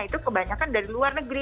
itu kebanyakan dari luar negeri